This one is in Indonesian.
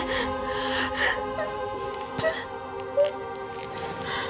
kamu ajar dia